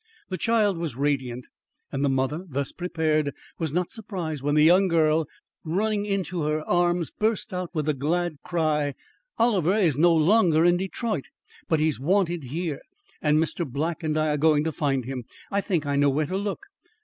The child was radiant, and the mother, thus prepared, was not surprised when the young girl, running into her arms, burst out with the glad cry: "Oliver is no longer in Detroit, but he's wanted here, and Mr. Black and I are going to find him. I think I know where to look.